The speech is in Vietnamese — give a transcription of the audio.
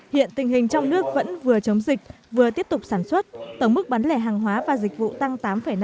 hiện tình hình trong nước vẫn vừa chống dịch vừa tiếp tục sản xuất tổng mức bán lẻ hàng hóa và dịch vụ tăng tám năm